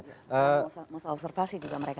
masa observasi juga mereka